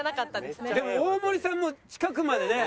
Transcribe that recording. でも大盛さんも近くまでね。